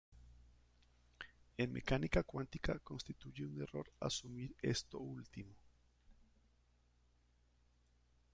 En mecánica cuántica, constituye un error asumir esto último.